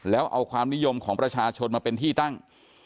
แล้วเอาความนิยมของประชาชนมาเป็นที่ตั้ง